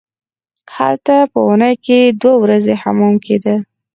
هلته په اونۍ کې دوه ورځې حمام کیده.